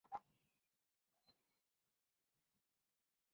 Prism হলো পাঁচ তল বিশিষ্ট একটা কাচের পিরামিড।